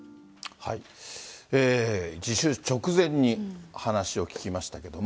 自首直前に話を聞きましたけれども。